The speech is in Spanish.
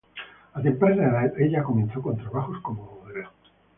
A temprana edad ella comenzó con trabajos como modelo.